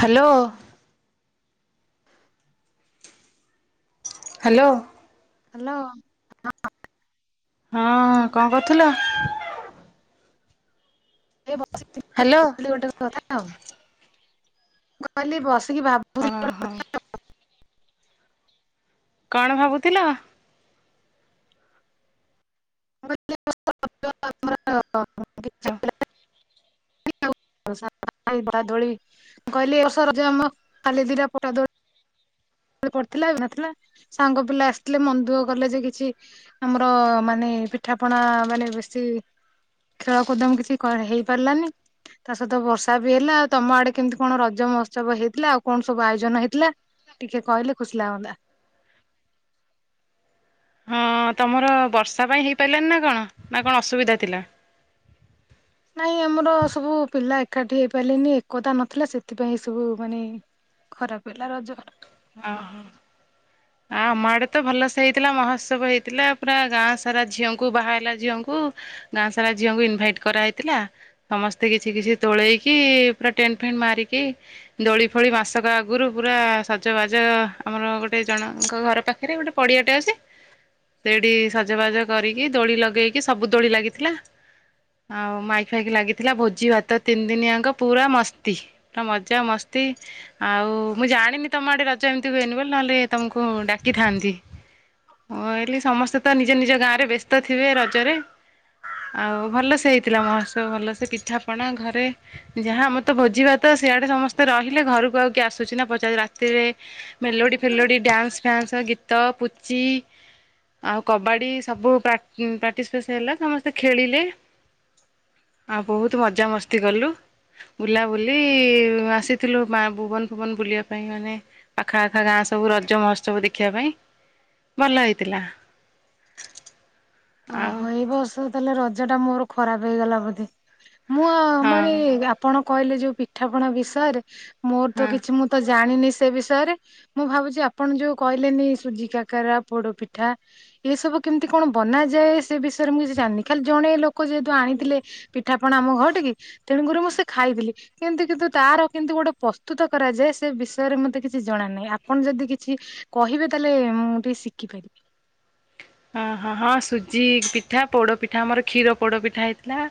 Hello. Hello. Hello. ହଁ କଁ କରୁଥିଲ। ଏ ବସିଥିଲି ହ୍ୟାଲୋ [inaudible] କହିଲି ଗୋଟେ କଥା କଥା ଆଉ ମୁଁ କଇଲି ବସିକି ଭାବୁ ଅଁହଁ। କଣ ଭାବୁଥିଲ? [unintelligible] ଦୋଳିି ମୁଁ କହିଲି ଏ ବର୍ଷ ରଜ ଆମ ଖାଲି ଦିଇଟା ପଟା ଦୋଳିି ପଢିଥିଲା ନଥିଲା ସାଙ୍ଗ ପିଲା ଆସିଥିଲେ ମନ ଦୁଃଖ କଲେଯେ କିଛି ଆମର ମାନେ ପିଠା ପଣା ମାନେ ବେଶୀ ଖେଳ କୁଦମ୍ କିଛି କ ହେଇ ପାରିଲାନି। ତାସହିତ ବର୍ଷାବି ହେଲା ଆଉ ତମ ଆଡ଼େ କେମିତି କଣ ରଜ ମହୋତ୍ସବ ହେଇଥିଲା ଆଉ କଣ ସବୁ ଆୟୋଜନ ହେଇଥିଲା? ଟିକେ କହିଲେ ଖୁସି ଲାଗନ୍ତା? ହଁ ତମର ବର୍ଷା ପାଇଁ ହେଇପାରିଲାନିନା କଣନା କଣ ଅସୁବିଧା ଥିଲା? ନାଇଁ ଆମର ସବୁ ପିଲା ଏକାଠି ହେଇପାରିଲେନି ଏକତା ନଥିଲା ସେଥିପାଇଁ ସବୁ ମାନେ ଖରାପ ହେଲା ରଜର୍ ଓହୋ। ଆ ଆମ ଆଡ଼େତ ଭଲସେ ହେଇଥିଲା ମହୋତ୍ସବ ହେଇଥିଲା ପୁରା ଗାଁସାରା ଝିଅଙ୍କୁ ବାହା ହେଲା ଝିଅଙ୍କୁ ଗାଁସାରା ଝିଅଙ୍କୁ ଇନଭାଇଟ୍ କରାହେଇଥିଲା। ସମସ୍ତେ କିଛି କିଛି ତୋଳେଇକି ପୁରା ଟେଣ୍ଟ ଫେଣ୍ଟ ମାରିକି ଦୋଳି ଫୋଳି ମାସକ ଆଗରୁ ପୁରା ସ ସଜ ବାଜ ଆମର ଗୋଟେ ଜଣଙ୍କ ଘର ପାଖରେ ଗୋଟେ ପଡ଼ିଆଟେ ଅଛି ସେଇଟି ସଜବାଜ କରିକି ଦୋଳି ଲଗେଇକି ସବୁ ଦୋଳି ଲାଗିଥିଲା ଆଉ ମାଇକି ଫାଇକି ଲାଗିଥିଲା ଭୋଜି ଭାତ ତିନି ଦିନିଆଙ୍କ ପୁରା ମସ୍ତି ପୁରା ମଜା ମସ୍ତି ଆଉ ମୁଁ ଜାଣିନି ତମ ଆଡ଼େ ରଜ ଏମିତି ହୁଏନି ବୋଲି ନହେଲେ ତମକୁ ଡାକିଥାନ୍ତି। ମୁଁ ଭାବିଲି ସମସ୍ତେତ ନିଜ ନିଜ ଗାଁରେ ବ୍ୟସ୍ତ ଥିବେ ରଜରେ ଆଉ ଭଲସେ ହେଇଥିଲା ମହୋତ୍ସବ ଭଲସେ ପିଠାପଣା ଘରେ ଯାହା ଆମରତ ଭୋଜିିଭାତ ସିଆଡ଼େ ସମସ୍ତେ ରହିଲେ ଘରକୁ ଆଉକିଏ ଆସୁଚିନା ପଚାରୁ ରା ତିରେ ମେଲୋଡ଼ି ଫେଲୋଡ଼ି ଡ୍ୟାନ୍ସ ଫ୍ୟାନ୍ସ ଗୀତ ପୁଚି ଆଉ କବାଡ଼ି ସବୁ ପ୍ରାଟି ପାର୍ଟିସିପେସ ହେଲା ସମସ୍ତେ ଖେଳିଲେ ଆଉ ବହୁତ୍ ମଜାମସ୍ତି କଲୁ। ବୁଲାବୁଲି ଆସିଥିଲୁ ମା ବୁବନ ଫୁବନ ବୁଲିବାକୁ ପାଇଁ ମାନେ ପାଖା ଆଖା ଗାଁସବୁ ରଜ ମହୋତ୍ସବୁ ଦେଖିବା ପାଇଁ। ଭଲ ହେଇଥିଲା। ଆଉ ଓହୋ ଏଇ ବର୍ଷ ତାହେଲେ ରଜଟା ମୋର ଖରାପ୍ ହେଇଗଲା ବୋଧ। ମୁଁଅଁ ମାନେ ହଁ ଆପଣ କହିଲେ ଯୋଉ ପିଠାପଣା ବିଷୟରେ ମୋରତ ହଁ କିଛି ମୁଁ ତ ଜାଣିନିସେ ବିଷୟରେ ମୁଁ ଭାବୁଚି ଆପଣ ଯୋଉ କହିଲେନି ସୁଜି କାକରା ପୋଡ଼ ପିଠା ଏସବୁ କେମିତି କଣ ବନାଯାଏ ସେବିଷୟରେ ମୁଁ କିଛି ଜାଣିନି ଖାଲି ଜଣେ ଲୋକ ଯେହେତୁ ଆଣିଥିଲେ ପିଠାପଣା ଆମ ଘଟିକି ତେଣୁକରି ମୁଁ ସେଖାଇଥିଲି କେମିତି କିନ୍ତୁ ତାର କିନ୍ତୁ ଗୋଟେ ପ୍ରସ୍ତୁତ କରାଯାଏ ସେବିଷୟରେ ମତେ କିଛି ଜଣାନାହିଁ ଆପଣ ଯଦି କିଛି କହିବେ ତାହେଲେ ମୁଁ ଟିକେ ଶିଖିପାରିବି। ହଁ ହଁ ହଁ ସୁଜି ପିଠା ପୋଡ଼ପିଠା ଆମର କ୍ଷୀର ପୋଡ଼ପିଠା ହେଇଥିଲା।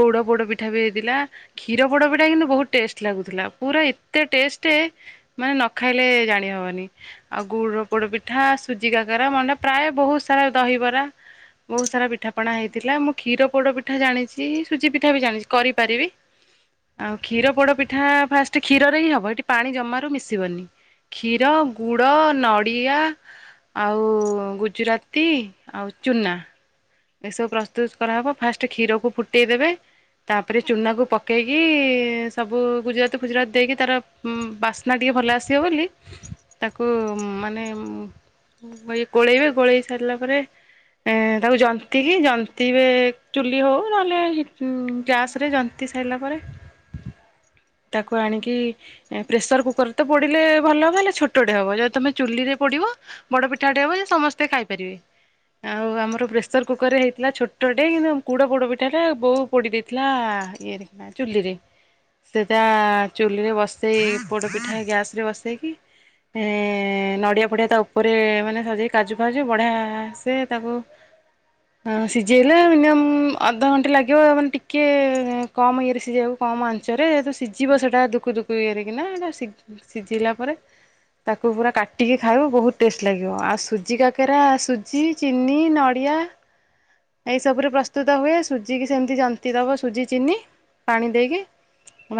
ଗୋଡ଼ ପୋଡ଼ ପିଠାବି ହେଇଥିଲା। କ୍ଷୀର ପୋଡ଼ପିଟା କିନ୍ତୁ ବହୁତ୍ ଟେଷ୍ଟ ଲାଗୁଥିଲା ପୁରା ଏତେ ଟେଷ୍ଟ ମାନେ ନଖାଇଲେ ଜାଣି ହବନି। ଆଉ ଗୁଡ଼ପୋଡ ପିଠା ସୁଜି କାକରା ମଣ୍ତା ମାନେ ପ୍ରାୟ ବହୁତ୍ ସାରା ଦହିବରା ବହୁତ ସାରା ପିଠାପଣା ହେଇଥିଲା। ମୁଁ କ୍ଷୀର ପୋଡ ପିଠା ଜାଣିଚି ସୁଜି ପିଠା ବି ଜାଣିଚି କରିପାରିବି। ଆଉ କ୍ଷୀର ପୋଡ ପିଠା ଫାଷ୍ଟ କ୍ଷୀରରେ ହିଁ ହବ। ହେଠି ପାଣି ଜମାରୁ ମିଶିବନି। କ୍ଷୀର, ଗୁଡ, ନଡ଼ିଆ ଆଉ ଗୁଜୁରା ତି ଆଉ ଚୁନା। ଏସବୁ ପ୍ରସ୍ତୁତ କରାହବ। ଫାଷ୍ଟ କ୍ଷୀରକୁ ଫୁଟେଇଦେବେ। ତାପରେ ଚୁନା କୁ ପକେଇକି ସବୁ ଗୁଜୁରାତି ଫୁଜୁରାତି ଦେଇକି ତାର ହୁଁ ବାସ୍ନା ଟିକେ ଭଲ ଆସିବ ବୋଲି ତାକୁ ମାନେ ଗୋଳେଇବେ ଗୋଳେଇ ସାରିଲା ପରେ ଏ ତାକୁ ଯନ୍ତ ଜନ୍ତିକି ଜନ୍ତିବେ ଚୁଲି ହଉ ନହେଲେ ଗ୍ୟାସ୍ ରେ ଜନ୍ତି ସାରିଲା ପରେ ତାକୁ ଆଣିକି ପ୍ରେସର କୁକର ତ ପୋଡିଲେ ଭଲ ହବ ହେଲେ ଛୋଟଟେ ହବ। ଯଦି ତମେ ଚୁଲି ରେ ପୋଡିବ ବଡ ପିଠାଟେ ହବ ଯେ ସମସ୍ତେ ଖାଇପାରିବେ। ଆଉ ଆମର ପ୍ରେସର କୁକର ରେ ହେଇଥିଲା ଛୋଟଟେ କିନ୍ତୁ ଗୁଡ ପୋଡପିଠା ଟା ବୋଉ ପୋଡ଼ି ଦେଇଥିଲା ଇଏ ରେ କିନା ଚୁଲିରେ। ସେଟା ଚୁଲିରେ ବସେଇ ପୋଡ଼ ପିଠା ଗ୍ୟାସରେ ବସେଇକି ଏ ନଡିଆ ଫଡିଆ ତା ଉପରେ ମାନେ ସଜେଇ କାଜୁ ଫାଜୁ ବଢିଆ ସେ ତାକୁ [inaudible] ହଁ ସିଝେଇଲେ ମିନିମମ୍ ଅଧଘଣ୍ଟେ ଲାଗିବ। ମାନେ ଟିକେ କମ ଇଏରେ ସିଝେଇବାକୁ କମ ଆ ଞ୍ଚରେ ଯେହେତୁ ସିଝିବ ସେଇଟା ଦୁକୁ ଦୁକୁ ଇଏ ରେ କିନା ଏତାକୁ ସିଝିଲା ପରେ ତାକୁ ପୁରା କାଟିକି ଖାଇବ ବହୁତ ଟେଷ୍ଟ ଲାଗିବ। ଆଉ ସୁଜି କାକେରା ସୁଜି ଚିନି, ନଡ଼ିଆ ଏଇସବୁରେ ପ୍ରସ୍ତୁତ ହୁଏ। ସୁଜିିକି ସେମିତି ଜନ୍ତି ଦବ ସୁଜି ଚିନି ପାଣି ଦେଇକି।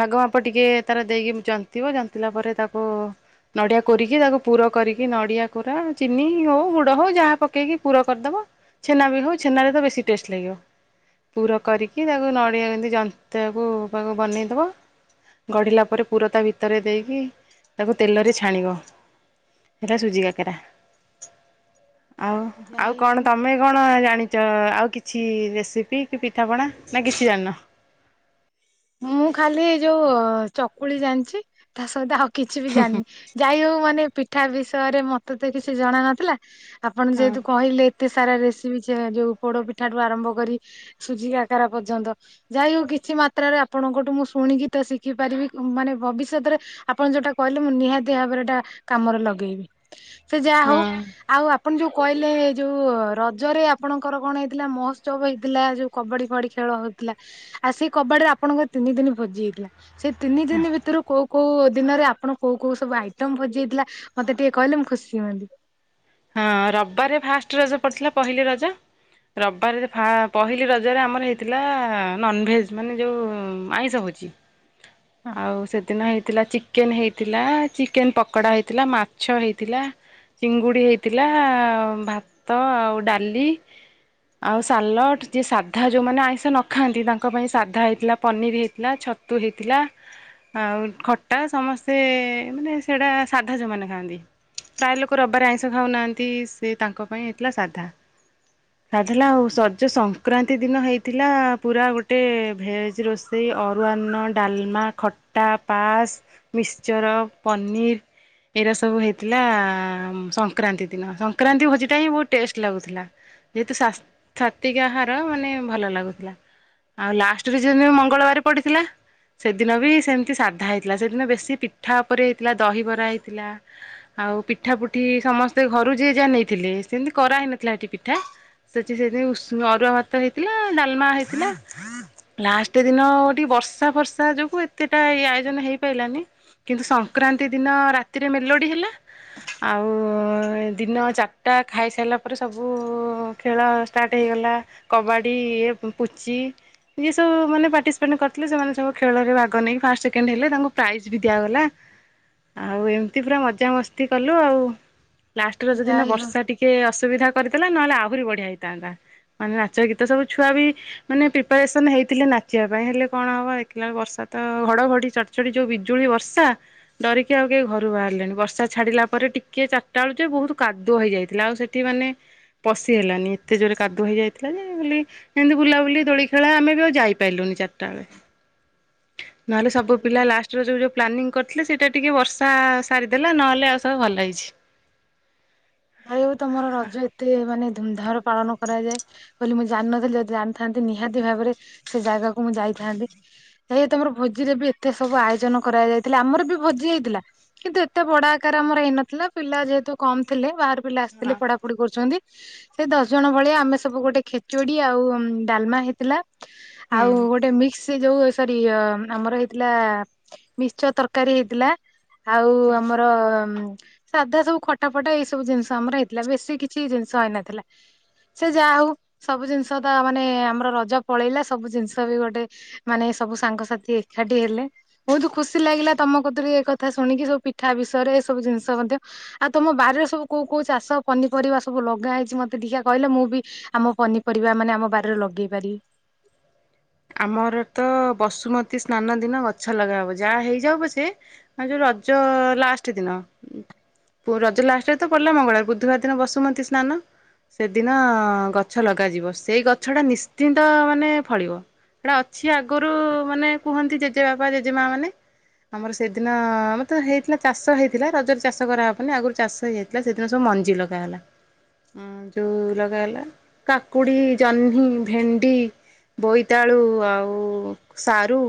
ଭାଗ ମାପ ଟିକେ ତାର ଦେଇକି ଜନ୍ତିବ, ଜନ୍ତିଲା ପରେ ତାକୁ ନଡ଼ିଆ କୋରିକି ତାକୁ ପୁର କରିକି ନଡିଆ କୋରା ଚିନି ହଉ ଗୁଡ ହଉ ଯାହା ପକେଇକି ପୁର କରିଦବ। ଛେନା ବି ହଉ, ଛେନାରେ ତ ବେଶୀ ଟେଷ୍ଟ ଲାଗିବ। ପୁର କରିକି ତାକୁ ନଡ଼ିଆ ଏମତି ଯନ୍ତିବାକୁ ପାଗ ବନେଇ ଦବ। ଗଢ଼ିଲା ପରେ ପୁର ତା ଭିତରେ ଦେଇକି ତାକୁ ତେଲରେ ଛାଣିବ। ହେଇଟା ସୁଜି କାକେରା। ଆଉ, ଆଉ ଯାଇ ହଉ କଣ ତମେ କଣ ଜାଣିଚ ଆଉ କିଛି ରେସିପି କି ପିଠାପଣା ନା କିଛି ଜାଣିନ? ମୁଁ ଖାଲି ଏ ଯୋଉ ଚକୁଳି ଜାଣିଚି ତା ସହିତ ଆଉ କିଛି ବି ଜାଣିିନି। ଯାଇ ହଉ ମାନେ ପିଠା ବିଷୟରେ ମତେ ତ କିଛି ଜଣା ନଥିଲା ଆପଣ ହଁ। ଯେହେତୁ କହିଲେ ଏତେ ସାରା ରେସିପି ଯୋଉ ପୋଡ ପିଠାଠୁ ଆରମ୍ଭ କରି ସୁଜି କାକାରା ପର୍ଯ୍ୟନ୍ତ ଯାଇ ହଉ କିଛି ମାତ୍ରାରେ ଆ ଆପଣଙ୍କଠୁ ମୁଁ ଶୁଣିକି ତ ଶିଖିପାରିବି। ମାନେ ଭବିଷ୍ୟତରେ ଆପଣ ଯୋଉଟା କହିଲେ ମୁଁ ନିହାତି ଭାବରେ ଏଟା କାମରେ ଲଗେଇବି। ସେ ଯାହା ହଉ ହଁ ଆଉ ଆ ଆପଣ ଯୋଉ କହିଲେ ଯୋଉ ରଜରେ ଆପଣଙ୍କର କଣ ହେଇଥିଲା ମହୋତ୍ସବ ହେଇଥିଲା ଯୋଉ କବାଡି କବାଡି ଖେଳ ହଉଥିଲା। ଆଉ ସେଇ କବାଡିରେ ଆ ଆପଣଙ୍କ ର ତିନି ଦିନ ଭୋଜି ହେଇଥିଲା। ସେଇ ତିନି ଦିନ ଭିତରୁ କୋଉ କୋଉ ଦିନରେ ଆପଣ କୋଉ କୋଉ ସବୁ ଆଇଟମ୍ ଭୋଜି ହେଇଥିଲା ମତେ ଟିକେ କହିଲେ ମୁଁ ଖୁସି ହୁଅନ୍ତି? ହଁ, ରବିବାରରେ ଫାଷ୍ଟ ରଜ ପଡିଥିଲା ପହିଲି ରଜ। ରବିବାରେ ଫା ପହିଲି ରଜରେ ଆମର ହେଇଥିଲା ନନଭେଜ୍ ମାନେ ଯୋଉ ଆଇଁଷ ଭୋଜି। ହଁ ଆଉ ସେଦିନ ହେଇଥିଲା ଚି ଚିକେନ୍ ହେଇଥିଲା, ଚିକେନ ପକୋଡ଼ା ହେଇଥିଲା ମାଛ ହେଇଥିଲା ଚିଙ୍ଗୁଡ଼ି ହେଇ ଥିଲା ଭାତ ଆଉ ଡାଲି। ଆଉ ସାଲଡ଼। ଯିଏ ସାଧା ଯୋଉମାନେ ଆଇଁଷ ନ ଖାଆନ୍ତି ତାଙ୍କ ପାଇଁ ସାଧା ହେଇଥିଲା ପନିର ହେଇଥିଲା ଛ ତୁଲିଥିଲା। ଆଉ ଖଟା ସମସ୍ତେ ମାନେ ସେଟା ସାଧା ଯୋଉ ମାନେ ଖାଆନ୍ତି। ପ୍ରାୟ ଲୋକ ରବିବାରେ ଆଇଁଷ ଖାଉନାହାନ୍ତି ସେ ତାଙ୍କ ପାଇଁ ହେଇଥିଲା ସାଧା। [inaudible] ଥିଲା ଆଉ ରଜ ସଂକ୍ରାନ୍ତି ଦିନ ହେଇଥିଲା ପୁରା ଗୋଟେ ଭେଜ ରୋଷେ ସେଇ ଅରୁଆ ଅନ୍ନ, ଡାଲମା, ଖଟା, ପାସ୍, ମିକ୍ସଚର, ପନିର୍ ଏରା ସବୁ ହେଇଥିଲା ସମ୍ ସଂକ୍ରାନ୍ତି ଦିନ, ସଂକ୍ରାନ୍ତି ଭୋଜିଟା ହିଁ ବହୁତ ଟେଷ୍ଟ ଲାଗୁଥିଲା। ଯେହେତୁ ସ୍ୱାତିକ ଆହାର ମାନେ ଭଲ ଲାଗୁଥିଲା। ଆଉ ଲାଷ୍ଟ ରଜ ଦିନ ମଙ୍ଗଳବାର ପଡ଼ିଥିଲା। ସେଦିନ ବି ସେମିତି ସାଧା ହେଇଥିଲା ସେଦିନ ବେଶୀ ପିଠା ଉପରେ ହେଇଥିଲା ଦହିବରା ହେଇଥିଲା। ଆଉ ପିଠା ପୁଠି ସମସ୍ତେ ଘରୁ ଜିଏ ଯାହା ନେଇଥିଲେ ସେମିତି କରାହେଇନଥିଲା ଏଠି ପିଠା। ସେଠି ସେ ଯୋଉ ଉସୁ ଅରୁଆ ଭାତ ହେଇଥିଲା ଡାଲମା ହେଇଥିଲା। ଲାଷ୍ଟ ଦିନ ଟିକେ ବର୍ଷା ଫର୍ଷା ଯୋଗୁ ଏତେଟା ଆୟୋଜନ ହେଇପାରିଲାନି। କିନ୍ତୁ ସଂକ୍ରାନ୍ତି ଦିନ ରାତିରେ ମେଲୋଡି ହେଲା ଆଉ ସଂକ୍ରାନ୍ତି ଦିନ ଚାରଟା ଖାଇସାରିଲା ପରେ ସବୁ ଖେଳ ଷ୍ଟାର୍ଟ ହେଇଗଲା। କବାଡି, ପୁଚି ଯିଏ ସବୁ ମାନେ ପାର୍ଟିସିପେଟ କରିଥିଲେ ସେମାନେ ସବୁ ଖେଳରେ ଭାଗ ନେଇକି ଫାଷ୍ଟ ସେକେଣ୍ଡ ହେଲେ ତାଙ୍କୁ ପ୍ରାଇଜ୍ ବି ଦିଆଗଲା। ଆଉ ଏମିତି ପୁରା ମଜାମସ୍ତି କଲୁ ଆଉ ଲାଷ୍ଟ ରଜ ଦିିନ ଯାଇ ହଉ ବର୍ଷା ଟିକେ ଅସୁବିଧା କରିଦେଲା ନହେଲେ ଆହୁରି ବଢିଆ ହେଇଥାନ୍ତା। ମାନେ ନାଚ ଗୀତ ସବୁ ଛୁଆ ବି ମାନେ ପ୍ରିପାରେସନ ହେଇଥିଲେ ନାଚିବା ପାଇଁ ହେଲେ କଣ ହବ ଦେଖିଲ ବର୍ଷା ତ ଘଡଘଡି ଚଡ୍ ଚଡି ଯୋଉ ବିଜୁଳି ବର୍ଷା ଡରିକି ଆଉ କେହି ଘରୁ ବାହାରିଲେନି ବର୍ଷା ଛାଡିଲା ପରେ ଟିକେ ସଂଧ୍ୟା ବେଳକୁ ଯେ ବହୁତ କାଦୁଅ ହେଇଯାଇଥିଲା ଆଉ ସେଠି ମାନେ ପଶି ହେଲାନି ଏତେ ଜୋରେ କାଦୁଅ ହୋଇଯାଇଥିଲା ଯେ ବୋଲି ଏମତି ବୁଲାବୁଲି ଦୋଳି ଖେଳା ଆମେ ବି ଆଉ ଯାଇପାରିଲୁନି ଚାରିଟା ବେଳେ ନହେଲେ ସବୁ ଯାଇ ପିଲା ହଉ ଲାଷ୍ଟ ରଜରେ ଯୋଉ ଯୋଉ ପ୍ଲାନିଂ କରିଥିଲେ ସେଇଟା ଟିକେ ବର୍ଷା ସାରିଦେଲା ନହେଲେ ଆଉ ସବୁ ଭଲ ହେଇଛି। ହେଲେବି ତମର ରଜ ଏତେ ମାନେ ଧୁମଧାମରେ ପାଳନ କରାଯାଏ। ବୋଲି ମୁଁ ଜାଣିନଥିଲି ଯଦି ଜାଣିଥାନ୍ତି ନିହାତି ଭାବରେ ସେ ଜାଗାକୁ ମୁଁ ଯାଇଥାନ୍ତି। ସେ ତମର ଭୋଜିରେ ବି ଏତେ ସବୁ ଆୟୋଜନ କରାଯାଇଥିଲା ଆମର ବି ଭୋଜି ହେଇଥିଲା। କିନ୍ତୁ ଏତେ ବଡା ଆକାର ଆମର ହେଇନଥିଲା ପିଲା ଯେହେତୁ କମ ଥିଲେ ବାହାର ପିଲା ଆସିଥିଲେ ହଁ ପଢା ପଢ଼ି କରୁଛନ୍ତି ସେ ଦଶ ଜଣ ଭଳିଆ ଆମେ ସବୁ ଗୋଟେ ଖେଚୁଡି ଆଉ ଡାଲମା ହେଇଥିଲା। ଆଉ ହୁଁ। ଗୋଟେ ମିକ୍ସ ସେ ଯୋଉ ସରି ଆମର ହେଇଥିଲା ମିକ୍ସଚର ତରକାରୀ ହେଇଥିଲା। ଆଉ ଆମର ସାଧା ସବୁ ଖଟା ଫଟା ଏଇ ସବୁ ଜିନିଷ ଆମର ହେଇଥିଲା ବେଶୀ କିଛି ଜିନିଷ ହେଇନଥିଲା। ସେ ଯାହା ହଉ ସବୁ ଜିନିଷ ତା ମାନେ ଆମର ରଜ ପଳେଇଲା ସବୁ ଜିନିଷ ବି ଗୋଟେ ମାନେ ସବୁ ସାଙ୍ଗସାଥି ଏକାଠି ହେଲେ। ବହୁତ ଖୁସି ଲାଗିଲା ତମ କତିରୁ ଏ କଥା ଶୁଣିକି ସବୁ ପିଠା ବିଷୟରେ ଏ ସବୁ ଜିନିଷ ମଧ୍ୟ ଆଉ ତମ ବାରିରେ ସବୁ କୋଉ କୋଉ ଚାଷ ପନିପରିବା ସବୁ ଲଗା ହେଇଛି ମତେ ଦେଖିଆ କହିଲେ ମୁଁ ବି ଆମ ପନିପରିବା ମାନେ ଆମ ବାଡିରେ ଲଗେଇ ପାରିବି। ଆମର ତ ବସୁମତୀ ସ୍ନାନ ଦିନ ଗଛ ଲଗା ହବ ଯାହା ହେଇଯାଉ ପଛେ ଆଁ ଯୋଉ ରଜ ଲାଷ୍ଟ ଦିନ। ପୁ ରଜ ଲାଷ୍ଟରେ ତ ପଡ଼ିଲା ମଙ୍ଗଳବାର ବୁଧବାର ଦିନ ବସୁମତି ସ୍ନାନ। ସେଦିନ ଗଛ ଲଗାଯିବ ସେଇ ଗଛଟା ନିଶ୍ଚିନ୍ତ ମାନେ ଫଳିବ। ଏଡା ଅଛି ଆଗରୁ ମାନେ କୁହନ୍ତି ଜେଜେ ବାପା ଜେଜେ ମା ମାନେ। ଆମର ସେଦିନ ଆମତ ହେଇଥିଲା ଚାଷ ହେଇଥିଲା ରଜରେ ଚାଷ କରାହେବନି ଆଗରୁ ଚାଷ ହେଇଯାଇ ଥିଲା ସେଦିନ ସବୁ ମଞ୍ଜି ଲଗା ହେଲା। ଉମ ଯୋଉ ଲଗା ହେଲା କାକୁଡି, ଜହ୍ନି, ଭେଣ୍ଡି, ବୋଇ ତାଳୁ ଆଉ ସାରୁ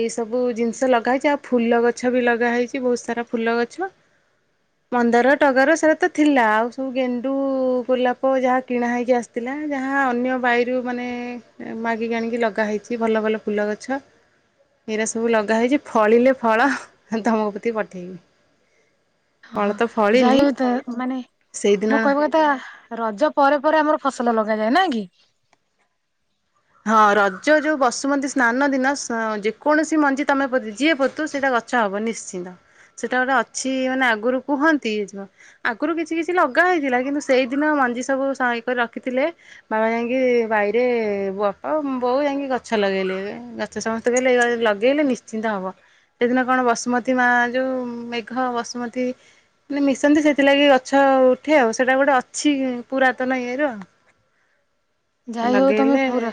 ଏଇ ସବୁ ଜିନିଷ ଲଗା ହେଇଚି। ଆଉ ଫୁଲ ଗଛ ବି ଲଗା ହେଇଛି ବହୁତ ସାରା ଫୁଲ ଗଛ। ମନ୍ଦାର ଟଗାର ସେ ତ ଥିଲା। ଆଉ ସବୁ ଗେଣ୍ଡୁ ଗୋଲାପ ଯାହା କିଣା ହେଇକି ଆସ ଥିଲା ଯାହା ଅନ୍ୟ ବାଇରୁ ମାନେ ଏ ମା ଘିକ ଆଣିକି ଲଗା ହେଇଛି ଭଲ ଭଲ ଫୁଲ ଗଛ। ହେରା ସବୁ ଲଗା ହେଇଛି ଫଳିଲେ ଫଳ ଧମ ପୋତି ପଠେଇବି। ଫଳ ଓହ ତ ଫଳିନି ଯାଲୁ ତ ମାନେ ମୁଁ ସେଇଦିନ କହିବା କ ତା ରଜ ପରେ ପରେ ଆମର ଫସଲ ଲଗାଯାଏ ନାଇ କି? ହଁ ରଜ ଯୋଉ ବସୁମନ୍ତ ସ୍ନାନ ଦିନ ସ ଯେକୌଣସି ମଞ୍ଜି ତମେ ପୋତି ଯିଏ ପୋତୁ ସେତା ଗ ଚ ହବ ନିଶ୍ଚିନ୍ତ ସେଟା ଗୋଟେ ଅଛି ମାନେ ଆଗରୁ କୁହନ୍ତି ଯ ଆଗରୁ କିଛି କିଛି ଲଗା ହେଇଥିଲା କିନ୍ତୁ ସେଇଦିନ ମଞ୍ଜି ସବୁ ସୈକ ରଖିଥିଲେ ମାମା ଯାଇକି ବାଇରେ ବ ଓଉ ବୋଉ ଯାଇକି ଗଛ ଲଗେଇଲେ ଏ ଗଛ ସମସ୍ତେ କହିଲେ [unintelligible] ଲଗେଇଲେ ନିଶ୍ଚିନ୍ତ ହବ। ସେଦିନ କଣ ବସୁମତୀ ମା ଯୋଉ ମେଘ ବସୁମତୀ ନେ ମିଶନ୍ତି ସେଥିଲାଗି ଗଛ ଉଠେ ଆଉ ସେଇଟା ଗୋଟେ ଅଛି ପୁରାତନ ଇଏ ର। ଝାଇ ହଉ ତମେ ପୁର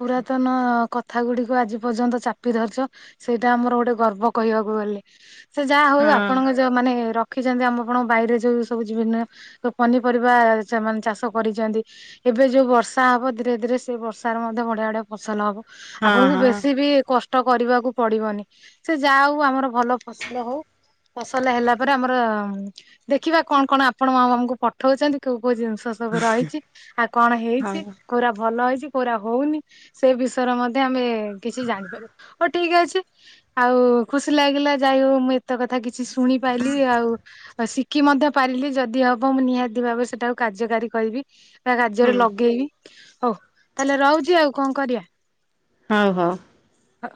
ପୁରାତନ ଅ କଥା ଗୁଡକୁ ଆଜି ପର୍ଯ୍ୟନ୍ତ ଚାପି ଧରିଚ, ସେଇଟା ଆମର ଗୋଟେ ଗର୍ବ କହିବାକୁ ଗଲେ। ସେ ଯାହା ହଉ ହଁ ଆପଣଙ୍କ ଯୋଉ ମାନେ ରଖିଛନ୍ତି ଆମ ପଣଙ୍ ବାଇରେ ଯୋଉ ସବୁ ଜିଭିନ୍ନ ଓ ପନିପରିବା ସେମାନେ ଚାଷ କରିଛନ୍ତି ଏବେ ଯୋଉ ବସ ସା ହବ ଧୀରେ ଧୀରେ ସେ ବର୍ଷାରେ ମଧ୍ୟ ବଢିଆ ବଡିଆ ଫସଲ ହବ ହଁ ଆପଣଙ୍କୁ ହଁ ବେଶୀ ବି କଷ୍ ଟ କରିବାକୁ ପଡିବନି ସେ ଯା ହଉ ଆମର ଭଲ ଫସଲ ହଉ। ଫସଲ ହେଲା ପରେ ଆମର ଉମ୍ ଦେଖିବା କଣ କଣ ଆପଣ ମାଉ ଆମକୁ ପଠଉଚନ୍ତି କୋଉ କୋଉ ଜିନିଷ ସବୁ ରହିଚି ଆଉ କଣ ହେଇଚି ହଉ କୋଉରା ଭଲ ହେଇଚି କୋଉରା ହଉନି ସେ ବିଷୟରେ ମଧ୍ୟ ଆମେ କିଛି ଜାଣିପାରି। ଓ ଟିଗ ଅଛି ଆଉ ଖୁସି ଲାଗିଲା ଯାଇ ହଉ ମୁଁ ଏତେ କଥା କିଛି ଶୁଣିପାଇଲିି ଆଉ ଓ ଶିଖି ମଧ୍ୟ ପାରିଲି ଯଦି ହବ ମୁଁ ନିହାତି ଭାବେ ସେଟାକୁ କାର୍ଯ୍ୟକାରୀ କରିବି। ତା ହୁଁ କାର୍ଯ୍ୟରେ ଲଗେଇବି ହଉ ତାହେଲେ ରହୁଚି ଆଉ କଁ କରିଆ। ହଉ ହଉ। ହ।